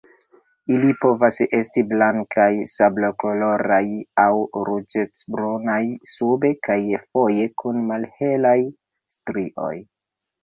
Ili povas esti blankaj, sablokoloraj aŭ ruĝecbrunaj sube, kaj foje kun malhelaj strioj.